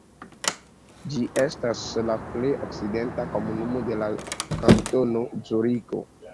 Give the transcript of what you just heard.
Ĝi estas la plej okcidenta komunumo de la Kantono Zuriko.